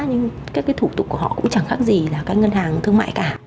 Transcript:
nhưng cái thủ tục của họ cũng chẳng khác gì là cái ngân hàng thương mại cả